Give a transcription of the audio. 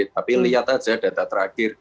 tapi lihat aja data tersebut